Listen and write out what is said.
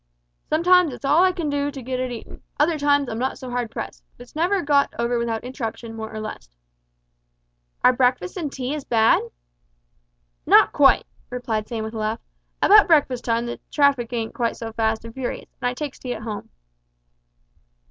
"Sometimes it's all I can do to get it eaten other times I'm not so hard pressed, but it's never got over without interruption, more or less." "Are breakfast and tea as bad?" "Not quite," replied Sam with a laugh; "about breakfast time the traffic ain't quite so fast and furious, and I takes tea at home."